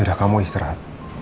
yaudah kamu istirahat